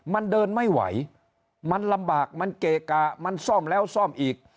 มันเดินไม่ไหวมันลำบากมันเกะกะมันซ่อมแล้วซ่อมอีก